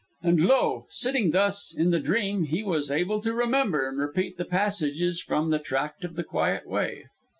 And lo! sitting thus, in the dream, he was able to remember and repeat the passages from "The Tract of the Quiet Way."